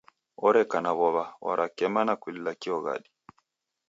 Oreka na w'ow'a warakema na kulila kioghadi.